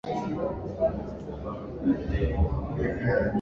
Jambo hili lilimfanya aweke historia kubwa duniani